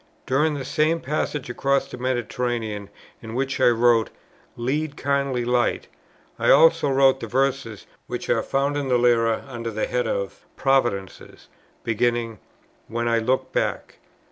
During the same passage across the Mediterranean in which I wrote "Lead kindly light," I also wrote the verses, which are found in the Lyra under the head of "Providences," beginning, "When I look back."